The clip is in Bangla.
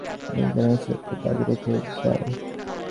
যদি জন্মেছ তো একটা দাগ রেখে যাও।